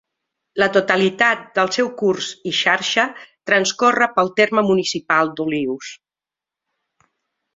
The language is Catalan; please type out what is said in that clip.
La totalitat del seu curs i xarxa transcorre pel terme municipal d'Olius.